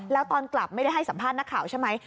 แล้วตอนกลับไม่ได้ให้สัมภาษณ์นักข่าวใช่ไหม